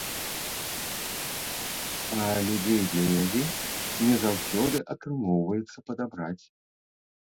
А людзей для яе не заўсёды атрымоўваецца падабраць.